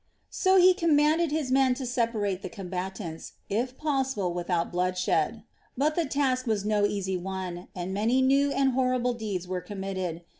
So he commanded his men to separate the combatants, if possible without bloodshed; but the task was no easy one, and many new and horrible deeds were committed.